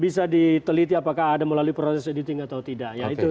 bisa diteliti apakah ada melalui proses editing atau tidak